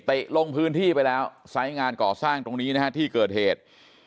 ลงพื้นที่ไปแล้วไซส์งานก่อสร้างตรงนี้นะฮะที่เกิดเหตุ